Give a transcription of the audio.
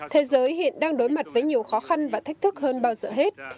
thế giới hiện đang đối mặt với nhiều khó khăn và thách thức hơn bao giờ hết